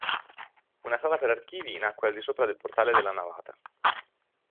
Una sala per archivi nacque al di sopra del portale della navata.